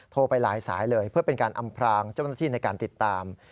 ไปหลายสายเลยเพื่อเป็นการอำพรางเจ้าหน้าที่ในการติดตาม